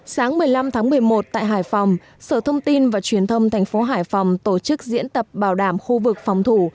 sáng một mươi năm tháng một mươi một tại hải phòng sở thông tin và truyền thông thành phố hải phòng tổ chức diễn tập bảo đảm khu vực phòng thủ